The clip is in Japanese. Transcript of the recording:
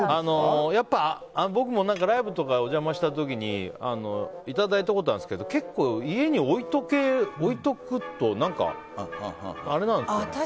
僕もライブとかお邪魔した時にいただいたことあるんですけど結構、家に置いておくと何かあれなんですよね。